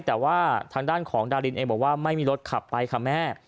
แต่ว่าทางด้านของดารินเองบอกว่าไม่มีรถขับไปค่ะแม่